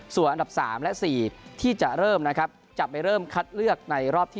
ส่วนอันดับ๓และ๔ที่จะเริ่มนะครับขัดเลือกในรอบที่๒